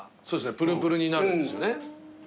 プルプルになるんですよね。